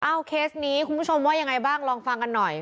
เคสนี้คุณผู้ชมว่ายังไงบ้างลองฟังกันหน่อย